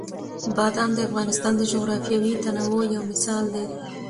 بادام د افغانستان د جغرافیوي تنوع یو مثال دی.